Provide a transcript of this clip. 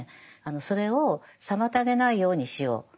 それを妨げないようにしよう。